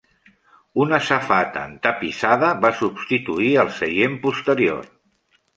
Una safata entapissada va substituir el seient posterior.